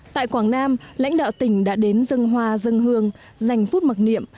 tại quảng nam lãnh đạo tỉnh đã đến dân hoa dân hương dành phút mặc niệm